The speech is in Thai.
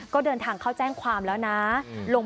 ก็เดินทางเข้าแจ้งความแล้วนะ